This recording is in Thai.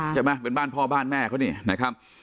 ใช่ไหมเป็นบ้านพ่อบ้านแม่เขานี่นะครับ